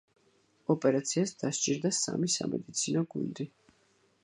ოპერაციას დასჭირდა სამი სამედიცინო გუნდი.